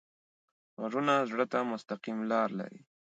غږونه زړه ته مستقیم لاره لري